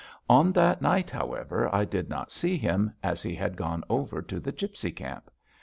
On that night, however, I did not see him, as he had gone over to the gipsy camp.